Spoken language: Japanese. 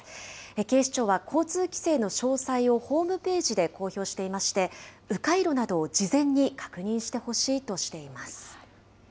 警視庁は、交通規制の詳細をホームページで公表していまして、う回路などを事前に確認してほしいとしています。